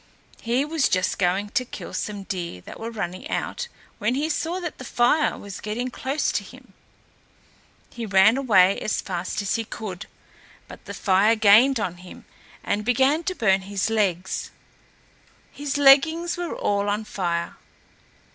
He was just going to kill some deer that were running out, when he saw that the fire was getting close to him. He ran away as fast as he could, but the fire gained on him and began to burn his legs. His leggings were all on fire.